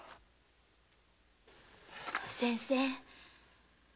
先生。